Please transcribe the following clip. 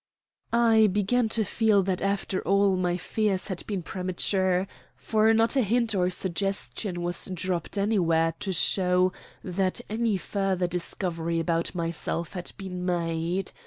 I began to feel that after all my fears had been premature, for not a hint or suggestion was dropped anywhere to show that any further discovery about myself had been made.